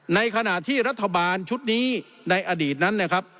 ในขณะที่รัฐบาลชุดนี้ในอดีตนั้นนะครับ